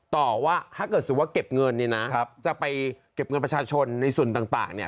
ต่อว่าถ้าเกิดสมมุติว่าเก็บเงินเนี่ยนะจะไปเก็บเงินประชาชนในส่วนต่างเนี่ย